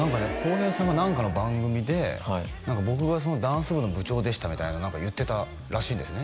洸平さんが何かの番組で僕がそのダンス部の部長でしたみたいの何か言ってたらしいんですね